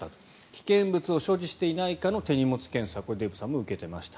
危険物を所持していないかの手荷物検査これはデーブさんも受けていました。